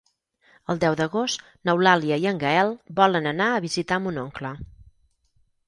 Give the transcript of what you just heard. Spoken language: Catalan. El deu d'agost n'Eulàlia i en Gaël volen anar a visitar mon oncle.